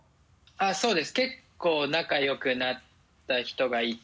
そうです結構仲良くなった人がいて。